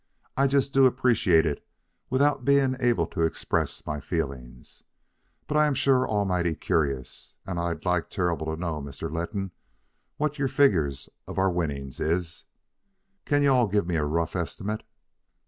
I just do appreciate it without being able to express my feelings. But I am sure almighty curious, and I'd like terrible to know, Mr. Letton, what your figures of our winning is. Can you all give me a rough estimate?"